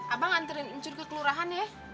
abang anterin uncun ke kelurahan ya